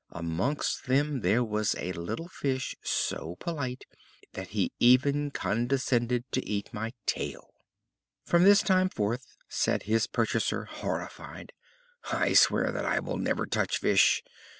Amongst them there was a little fish so polite that he even condescended to eat my tail." "From this time forth," said his purchaser, horrified, "I swear that I will never touch fish.